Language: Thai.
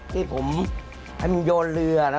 ที่ผมให้มันโยนเรือนะ